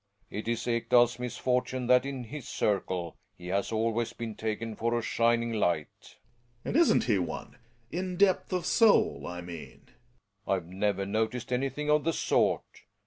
It is EkdaFs misfortune that in his circle he has always been taken for a shining light Gregers. And isn't he one ? In depth of soul I mean. f Relling. I've never noticed anything of the sort.